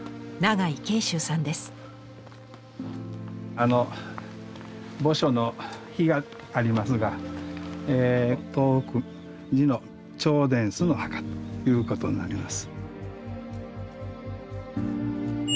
あの墓所の碑がありますが東福寺の兆殿司の墓ということになります。